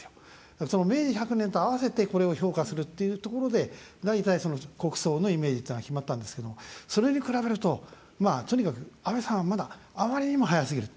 だから、その明治１００年と合わせてこれを評価するっていうところで大体、国葬のイメージというのは決まったんですけどもそれに比べるととにかく、安倍さんはまだ、あまりにも早すぎる。